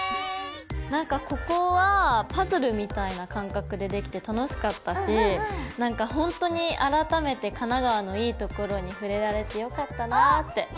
なんかここはパズルみたいな感覚でできて楽しかったしなんかほんとに改めて神奈川のいいところに触れられてよかったなって。